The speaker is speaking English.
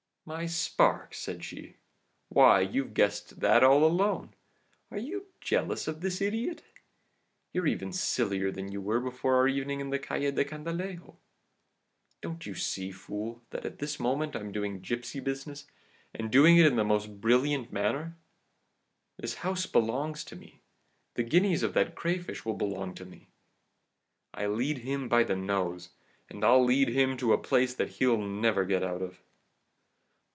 "'My spark!' said she. 'Why, you've guessed that all alone! Are you jealous of this idiot? You're even sillier than you were before our evening in the Calle del Candilejo! Don't you see, fool, that at this moment I'm doing gipsy business, and doing it in the most brilliant manner? This house belongs to me the guineas of that crayfish will belong to me! I lead him by the nose, and I'll lead him to a place that he'll never get out of!